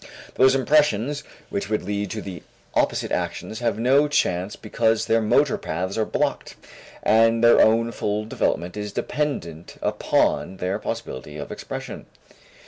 Those impressions which would lead to the opposite actions have no chance because their motor paths are blocked and their own full development is dependent upon their possibility of expression.